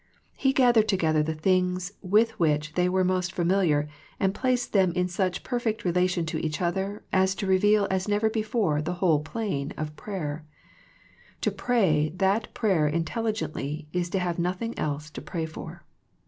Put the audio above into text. He gathered together the things with which they were most familiar and placed them in such per fect relation to each other as to reveal as never before the whole plane of prayer. To pray that prayer intelligently is to have nothing else to pray for.